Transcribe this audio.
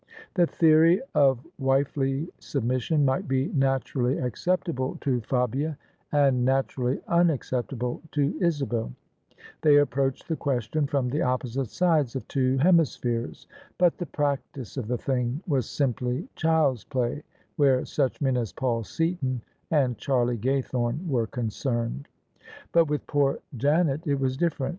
The theory of wifely submission might be naturally acceptable to Fabia and naturally unacceptable to Isabel: they approached the question from the opposite sides of two hemispheres; but the practice of the thing was simply child's play where such men as Paul Seaton and Charlie Gaythorne were concerned. But with poor Janet it was different.